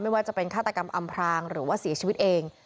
ว่าจะเป็นฆาตกรรมอำพรางหรือว่าเสียชีวิตเอง